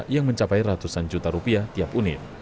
yang mencapai ratusan juta rupiah tiap unit